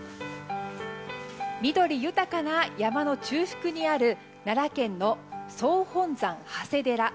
緑豊かな山の中腹にある奈良県の総本山、長谷寺。